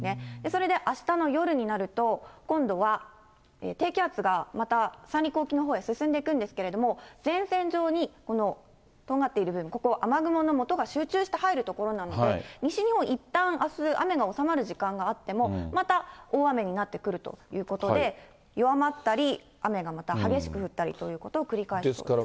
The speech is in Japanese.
それで、あしたの夜になると、今度は低気圧がまた三陸沖のほうへ進んでいくんですけれども、前線上にこのとんがっている部分、ここ、雨雲のもとが集中して入る所なので、西日本いったん、あす、雨の収まる時間があっても、また大雨になってくるということで、弱まったり、雨がまた激しく降ったりということを繰り返しそうです。